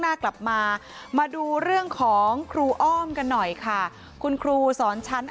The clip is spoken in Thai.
หน้ากลับมามาดูเรื่องของครูอ้อมกันหน่อยค่ะคุณครูสอนชั้น